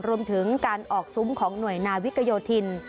รวมถึงการออกซุ้มของหน่วยนาวิกโยธิน